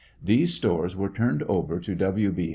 These stores were turned over to W.